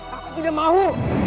aku tidak mau